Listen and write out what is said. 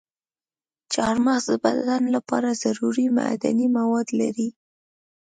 چارمغز د بدن لپاره ضروري معدني مواد لري.